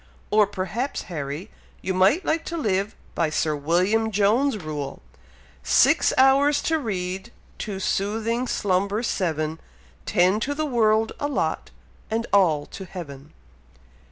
Or perhaps, Harry, you might like to live by Sir William Jones' rule: 'Six hours to read, to soothing slumber seven, Ten to the world allot and all to Heaven.'"